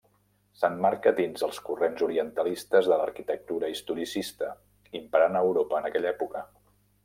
S'emmarca dins els corrents orientalistes de l'arquitectura historicista, imperant a Europa en aquella època.